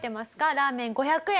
ラーメン５００円。